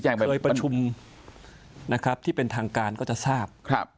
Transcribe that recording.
คือใครที่เคยประชุมนะครับที่เป็นทางการก็จะทราบ